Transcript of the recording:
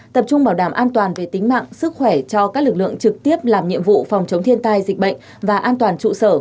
tập trung bảo đảm an toàn về tính mạng sức khỏe cho các lực lượng trực tiếp làm nhiệm vụ phòng chống thiên tai dịch bệnh và an toàn trụ sở